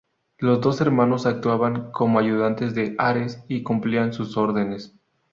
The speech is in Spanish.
Los dos hermanos actuaban como ayudantes de Ares y cumplían sus órdenes.